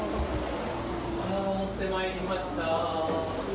あなご持ってまいりました。